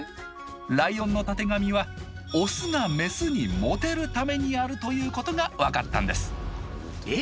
ライオンのたてがみは「オスがメスにモテるためにある」ということが分かったんですえ